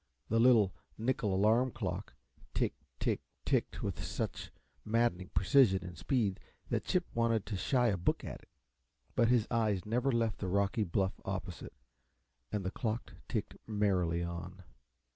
The little, nickel alarm clock tick tick ticked with such maddening precision and speed that Chip wanted to shy a book at it, but his eyes never left the rocky bluff opposite, and the clock ticked merrily on.